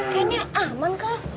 kayaknya aman kah